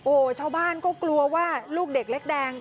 โอ้โหชาวบ้านก็กลัวว่าลูกเด็กเล็กแดง